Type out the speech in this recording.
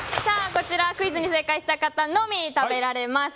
こちら、クイズに正解した方のみ食べられます。